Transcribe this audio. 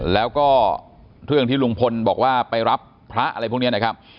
แล้วก็เรื่องที่ลุงพลบอกว่าไปรับพระอะไรพวกนี้นะครับ